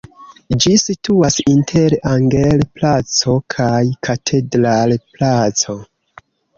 Ĝi situas inter Anger-placo kaj Katedral-placo.